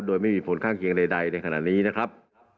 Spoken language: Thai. โดยไม่มีผลข้างเคียงใดในขณะนี้นะครับ